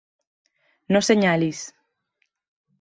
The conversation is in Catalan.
No senyalis.